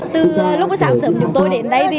từ lúc sáng sớm chúng tôi đến đây